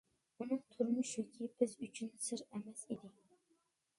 ئۇنىڭ تۇرمۇش يۈكى بىز ئۈچۈن سىر ئەمەس ئىدى.